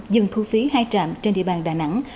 dừng thu phí hai trạm trên địa bàn đà nẵng